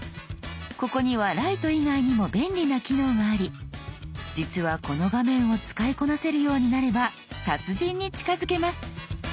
ここにはライト以外にも便利な機能があり実はこの画面を使いこなせるようになれば達人に近づけます。